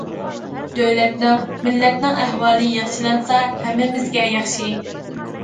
دۆلەتنىڭ، مىللەتنىڭ ئەھۋالى ياخشىلانسا ھەممىمىزگە ياخشى.